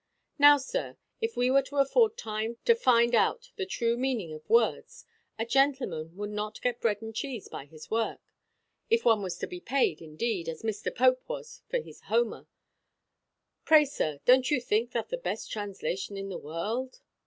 Now, sir, if we were to afford time to find out the true meaning of words, a gentleman would not get bread and cheese by his work. If one was to be paid, indeed, as Mr. Pope was for his Homer Pray, sir, don't you think that the best translation in the world?"